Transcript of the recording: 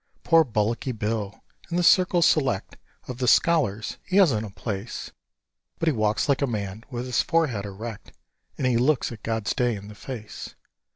Poor bullocky Bill! In the circles select Of the scholars he hasn't a place; But he walks like a man, with his forehead erect, And he looks at God's day in the face.